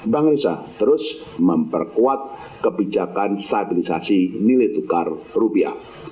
bank indonesia terus memperkuat kebijakan stabilisasi nilai tukar rupiah